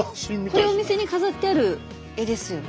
これお店に飾ってある絵ですよね。